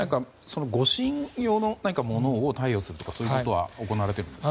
護身用のものを貸与するとかそういったことは行われているんですか？